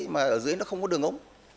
mà ở dưới nó không có đường ống